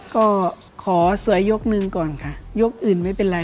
ก็ขอสวยยกหนึ่งก่อนค่ะยกอื่นไม่เป็นไร